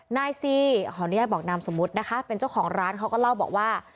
นายซีขออนุญาตบอกนามสมมุตินะคะเป็นเจ้าของร้านเขาก็เล่าบอกว่า